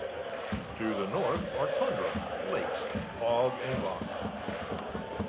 To the north are tundra, lakes, bog and rock.